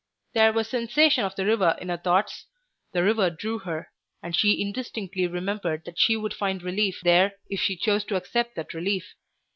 There was sensation of the river in her thoughts; the river drew her, and she indistinctly remembered that she would find relief there if she chose to accept that relief.